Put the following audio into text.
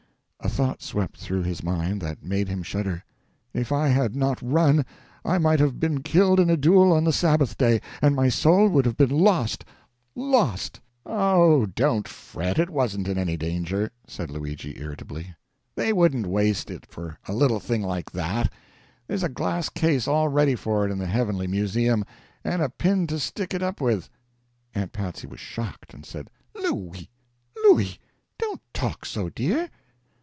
A thought swept through his mind that made him shudder. "If I had not run, I might have been killed in a duel on the Sabbath day, and my soul would have been lost lost." "Oh, don't fret, it wasn't in any danger," said Luigi, irritably; "they wouldn't waste it for a little thing like that; there's a glass case all ready for it in the heavenly museum, and a pin to stick it up with." Aunt Patsy was shocked, and said: "Looy, Looy! don't talk so, dear!"